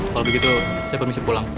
kalo begitu saya permisi pulang